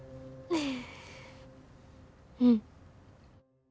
うん。